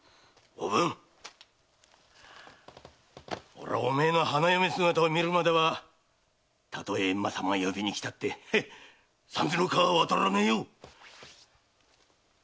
俺はお前の花嫁姿を見るまではたとえ閻魔様が呼びにきたって三途の川は渡らねえよ！